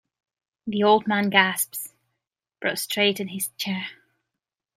The old man gasps, prostrate in his chair.